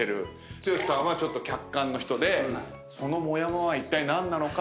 剛さんはちょっと客観の人でそのモヤモヤはいったい何なのか。